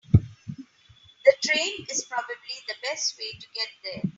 The train is probably the best way to get there.